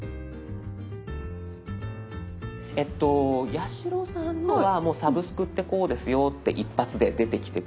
八代さんのはもう「サブスク」ってこうですよって１発で出てきてくれてます。